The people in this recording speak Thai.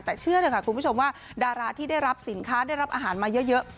แต่เชื่อเถอะค่ะคุณผู้ชมว่าดาราที่ได้รับสินค้าได้รับอาหารมาเยอะ